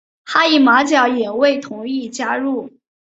哈伊马角也未同意加入。